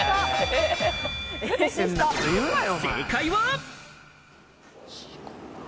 正解は。